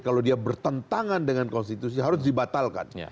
kalau dia bertentangan dengan konstitusi harus dibatalkan